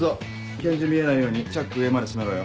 拳銃見えないようにチャック上まで閉めろよ。